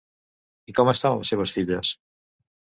I com estan les seves filles?